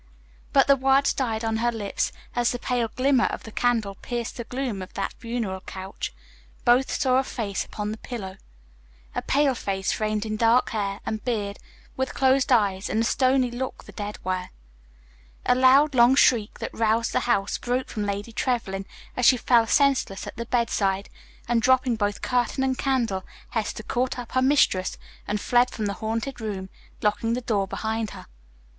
But the words died on her lips, for, as the pale glimmer of the candle pierced the gloom of that funeral couch, both saw a face upon the pillow: a pale face framed in dark hair and beard, with closed eyes and the stony look the dead wear. A loud, long shriek that roused the house broke from Lady Trevlyn as she fell senseless at the bedside, and dropping both curtain and candle Hester caught up her mistress and fled from the haunted room, locking the door behind her.